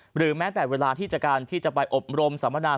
หรือแม้แต่เวลาที่จะไปอบรมสัมพนาธิ์